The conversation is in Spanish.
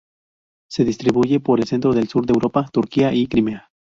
Se distribuye por el centro y sur de Europa, Turquía y Crimea.